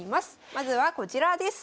まずはこちらです。